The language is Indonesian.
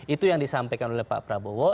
itu yang disampaikan oleh pak prabowo